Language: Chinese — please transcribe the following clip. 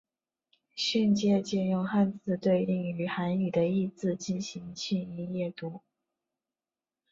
训借借用汉字对应于韩语的意字进行训音阅读。